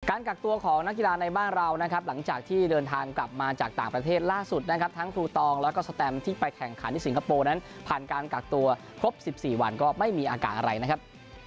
กักตัวของนักกีฬาในบ้านเรานะครับหลังจากที่เดินทางกลับมาจากต่างประเทศล่าสุดนะครับทั้งครูตองแล้วก็สแตมที่ไปแข่งขันที่สิงคโปร์นั้นผ่านการกักตัวครบ๑๔วันก็ไม่มีอาการอะไรนะครับ